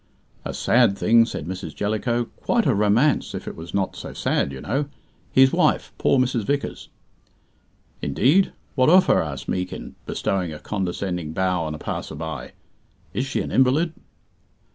"A sad thing," said Mrs. Jellicoe. "Quite a romance, if it was not so sad, you know. His wife, poor Mrs. Vickers." "Indeed! What of her?" asked Meekin, bestowing a condescending bow on a passer by. "Is she an invalid?"